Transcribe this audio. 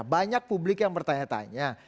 banyak publik yang bertanya tanya